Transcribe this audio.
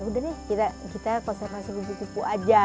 udah deh kita konservasi kupu kupu aja